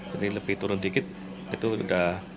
jadi lebih turun dikit itu udah